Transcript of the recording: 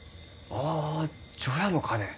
ああ除夜の鐘。